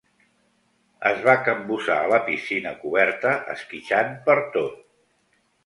Es va capbussar a la piscina coberta, esquitxant pertot.